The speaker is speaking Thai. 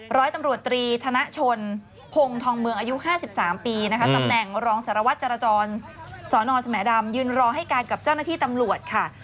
ร้อยตำรวจตรีธนชนพงทองเมืองอายุ๕๓ปีนะคะตำแหน่งรองสารวัตรจรจรสนสมดำยืนรอให้การกับเจ้าหน้าที่ตำรวจค่ะ